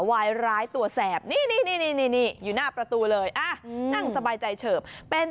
วายร้ายตัวแสบ